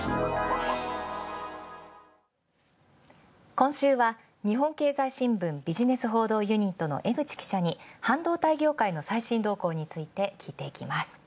今週は日本経済新聞、ビジネス報道ユニットの江口記者に、半導体業界の話を聞いていきます。